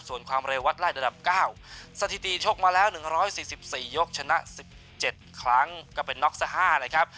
ส่วนความเร็ววัดไล่ระดับ๙สถิติชกมาแล้ว๑๔๔ยกชนะ๑๗ครั้งก็เป็นน็อกซะ๕นะครับ